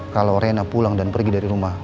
kalau rena pulang dan pergi dari rumah